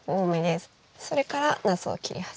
それからなすを切り始め。